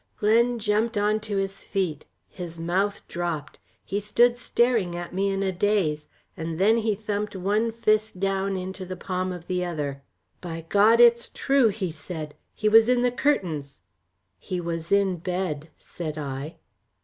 Glen jumped on to his feet, his mouth dropped, he stood staring at me in a daze, and then he thumped one fist down into the palm of the other. "By God it's true," he said, "he was in the curtains." "He was in bed," said I.